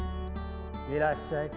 いらっしゃい。